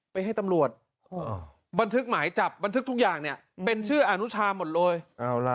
ไปให้ตำรวจบันทึกหมายจับบันทึกทุกอย่างเนี่ยเป็นชื่ออนุชาหมดเลย